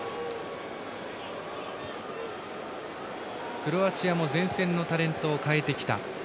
クロアチアも前線のタレントを代えてきた。